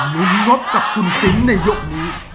คุณนบกับคุณซิมในยกนี้